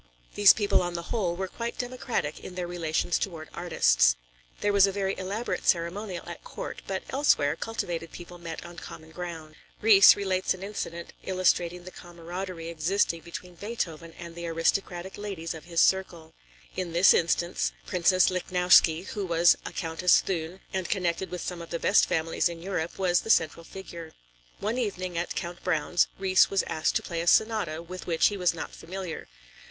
These people on the whole were quite democratic in their relations toward artists. There was a very elaborate ceremonial at court, but elsewhere, cultivated people met on common ground. Ries relates an incident illustrating the cameraderie existing between Beethoven and the aristocratic ladies of his circle. In this instance. Princess Lichnowsky, who was a Countess Thun, and connected with some of the best families in Europe, was the central figure. One evening at Count Browne's, Ries was asked to play a sonata with which he was not familiar.